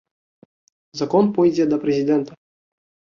Закон пойдзе да прэзідэнта.